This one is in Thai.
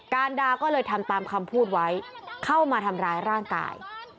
การดาก็เลยทำตามคำพูดไว้เข้ามาทำร้ายร่างกาย